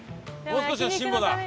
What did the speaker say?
もう少しの辛抱。